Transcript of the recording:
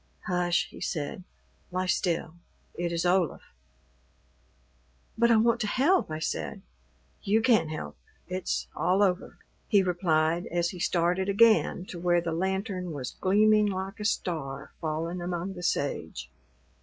"Hush," he said; "lie still. It is Olaf." "But I want to help," I said. "You can't help. It's all over," he replied as he started again to where the lantern was gleaming like a star fallen among the sage.